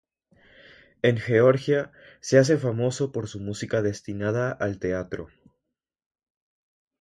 En Georgia se hace famoso por su música destinada al teatro.